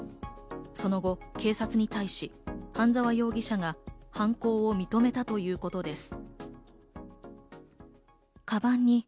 その後、警察に対し半沢容疑者が犯行を認めたということです。